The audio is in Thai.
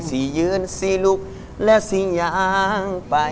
สี่ยืนสี่ลูกและสี่ยางไป